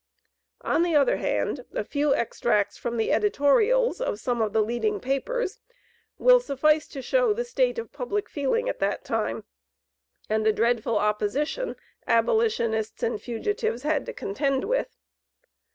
On the other hand, a few extracts from the editorials of some of the leading papers, will suffice to show the state of public feeling at that time, and the dreadful opposition abolitionists and fugitives had to contend with.